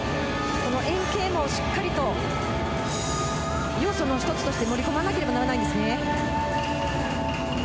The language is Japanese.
この円形もしっかりと要素の一つとして盛り込まなければならないんですね。